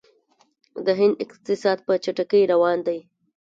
د هند اقتصاد په چټکۍ روان دی.